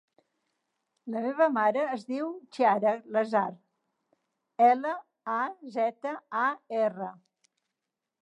La meva mare es diu Chiara Lazar: ela, a, zeta, a, erra.